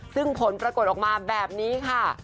ซึ่งผลปรากฏออกมาแบบนี้ค่ะ